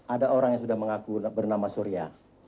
ada orang yang sudah mengaku bernama surya